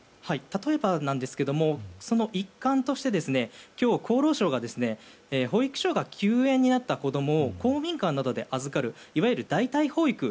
例えば、その一環として今日、厚労省が保育所が休園になった子供を公民館などで預かるいわゆる代替保育